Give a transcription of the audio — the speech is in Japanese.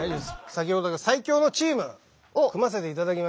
先ほど最強のチーム組ませていただきました。